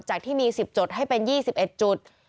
ที่มี๑๐จุดให้เป็น๒๑จุด